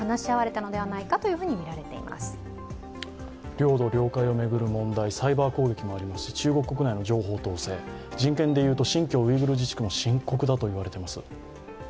領土・領海を巡る問題、サイバー攻撃もありますし、中国国内の情報統制、人権でいうと新疆ウイグル自治区も深刻だと言われています。